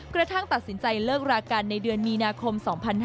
กระทั่งตัดสินใจเลิกรากันในเดือนมีนาคม๒๕๕๙